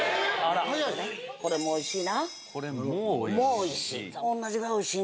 「これもおいしい」。